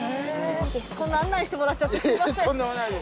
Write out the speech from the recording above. こんな案内してもらっちゃってすいません。